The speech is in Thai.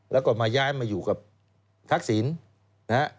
แล้วก็มาย้ายมาอยู่กับทักศิลป์